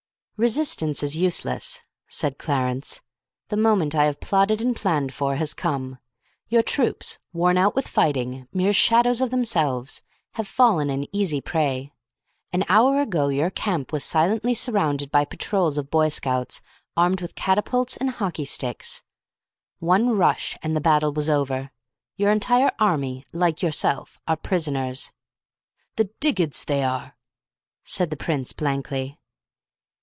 "Resistance is useless," said Clarence. "The moment I have plotted and planned for has come. Your troops, worn out with fighting, mere shadows of themselves, have fallen an easy prey. An hour ago your camp was silently surrounded by patrols of Boy Scouts, armed with catapults and hockey sticks. One rush and the battle was over. Your entire army, like yourself, are prisoners." "The diggids they are!" said the Prince blankly.